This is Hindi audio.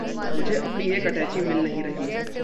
मुझे अपनी एक अटैची मिल नहीं रही है।